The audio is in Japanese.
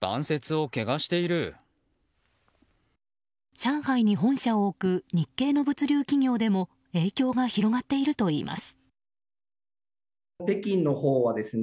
上海に本社を置く日系の物流企業でも影響が広がっているといいます。